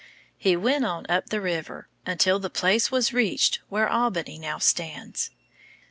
He went on up the river until the place was reached where Albany now stands.